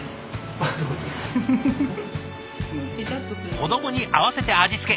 子供に合わせて味付け